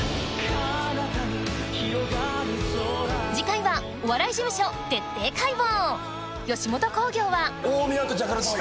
次回はお笑い事務所徹底解剖！